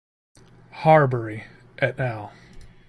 Harbury "et al.